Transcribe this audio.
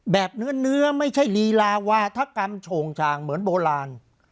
เนื้อไม่ใช่ลีลาวาธกรรมโฉงชางเหมือนโบราณ